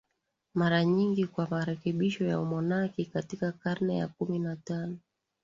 mara nyingi kwa marekebisho ya umonaki Katika karne ya kumi na tano